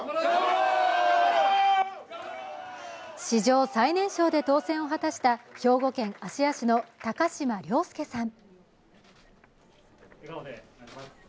史上最年少で当選を果たした兵庫県芦屋市の高島崚輔さん。